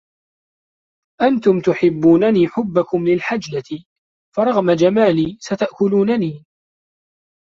أنتم تحبونني حبكم للحجلة، فرغم جمالي ستأكلونني.